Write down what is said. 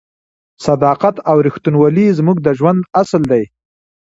صداقت او رښتینولي زموږ د ژوند اصل دی.